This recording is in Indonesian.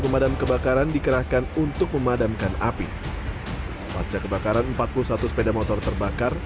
pemadam kebakaran dikerahkan untuk memadamkan api pasca kebakaran empat puluh satu sepeda motor terbakar